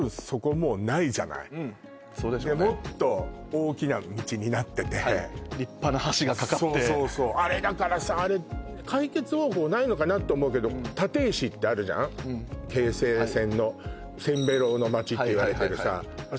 もっと大きな道になっててはい立派な橋が架かってそうそうそうあれだからさ解決方法ないのかなと思うけどってあるじゃん京成線のせんべろの街って言われてるさあ